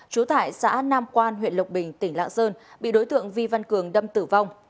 trú tại xã nam quan huyện lộc bình tỉnh lạng sơn bị đối tượng vi văn cường đâm tử vong